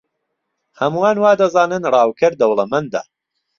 هەمووان وا دەزانن ڕاوکەر دەوڵەمەندە.